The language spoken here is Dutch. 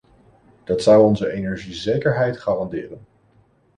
Dat zou onze energiezekerheid garanderen.